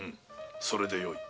それでよい。